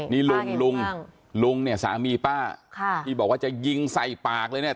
นี่ลุงลุงลุงเนี่ยสามีป้าค่ะที่บอกว่าจะยิงใส่ปากเลยเนี่ย